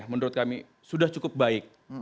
menurut kami sudah cukup baik